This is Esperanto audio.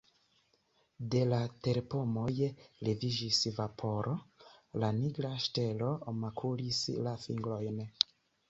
De la terpomoj leviĝis vaporo, la nigra ŝelo makulis la fingrojn.